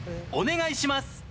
お願いします！